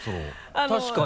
確かに。